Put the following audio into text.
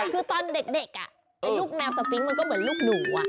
คือตอนเด็กลูกแมวสฟิงค์มันก็เหมือนลูกหนู